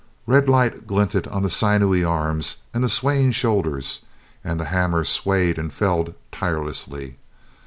Red light glinted on the sinewy arms and the swaying shoulders, and the hammer swayed and fell tirelessly.